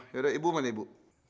ya udah ibu mana ibu